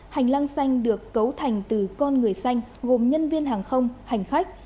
hành lang xanh được cấu thành từ con người xanh gồm nhân viên hàng không hành khách